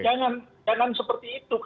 jangan seperti itu